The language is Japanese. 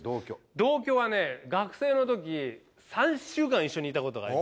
同居はね学生の時３週間一緒にいたことがありました。